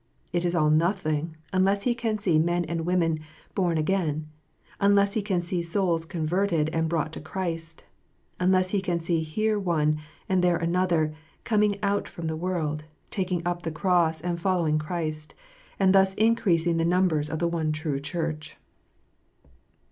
It is all nothing, unless he can see men and women born again, " unless he can see souls converted and brought to Christ, unless he can see here one and there another, "coming out from the world," takino up the cross and following Christ," and thus increasing the mini bers of the one true Church.